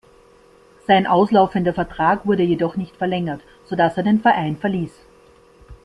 Sein auslaufender Vertrag wurde jedoch nicht verlängert, so dass er den Verein verließ.